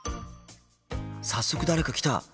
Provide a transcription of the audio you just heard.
早速誰か来た！